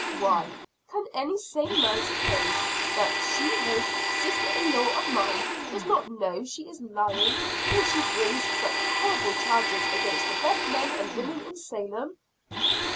Why, can any sane man suppose that she wolf sister in law of mine does not know she is lying, when she brings such horrible charges against the best men and women in Salem?"